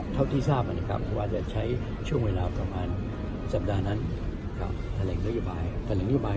เท่าที่ทราบว่าจะใช้ช่วงเวลาประมาณสัปดาห์นั้นกลับแถลงนโยบาย